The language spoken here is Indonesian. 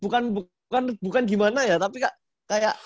kak bukan gimana ya tapi kaya